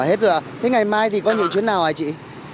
ờ hết rồi ạ thế ngày mai thì có những chuyến nào hả chị